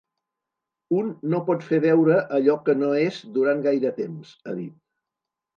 Un no pot fer veure allò que no és durant gaire temps, ha dit.